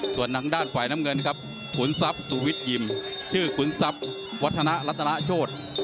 ส่วนทางด้านฝ่ายน้ำเงินครับขุนทรัพย์สูวิทย์ยิมชื่อขุนทรัพย์วัฒนะรัตนาโชธ